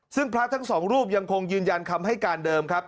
ซึ่งพระทั้งสองรูปยังคงยืนยันคำให้การเดิมครับ